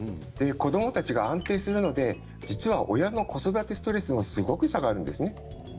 子どもたちが安定するので親の子育てのストレスもすごく下がるんですね。